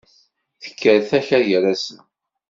Tekker takka gar-asen.